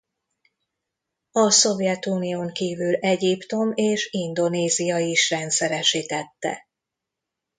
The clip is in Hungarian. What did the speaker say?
A Szovjetunión kívül Egyiptom és Indonézia is rendszeresítette.